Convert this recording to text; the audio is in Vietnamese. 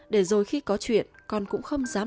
để rồi khi có chuyện con cũng không dám